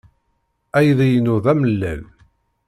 Aydi-inu d amellal.